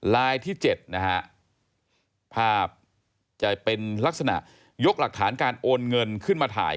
ที่๗นะฮะภาพจะเป็นลักษณะยกหลักฐานการโอนเงินขึ้นมาถ่าย